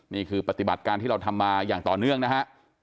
นี่คือปฏิบัติการที่เราทำมาอย่างต่อเนื่องนะฮะ